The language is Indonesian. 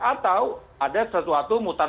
atau ada sesuatu mutan